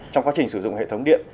trong quá trình sử dụng hệ thống điện